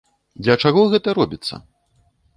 Для чаго гэта робіцца?